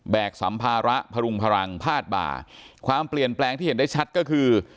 สัมภาระพรุงพลังพาดบ่าความเปลี่ยนแปลงที่เห็นได้ชัดก็คือ